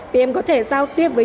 vì em có thể giao tiếp với